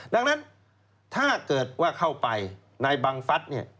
ดังนั้นถ้าเกิดว่าเข้าไปในบังฟัฐเนี่ย